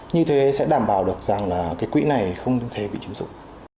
như thế sẽ đảm bảo được rằng là cái quỹ này không đúng thế bị chứng dụng